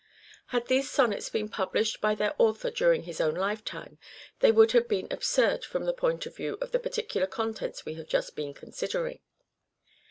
Had these sonnets been published by their author during his own lifetime they would have been absurd from the point of view of the particular contents we have just been considering.